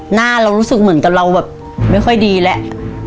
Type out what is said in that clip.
หน้าเรารู้สึกเหมือนกับเราแบบไม่ค่อยดีแล้ว